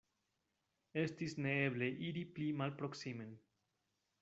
Estis neeble iri pli malproksimen.